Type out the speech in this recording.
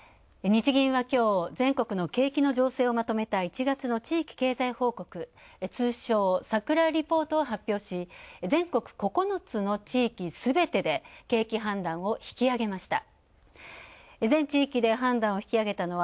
日銀はきょう、全国の景気の状況をまとめた１月の地域経済報告、通称さくらリポートを発表し、全国地域すべてで景気判断を引き上げました。